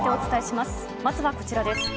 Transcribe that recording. まずはこちらです。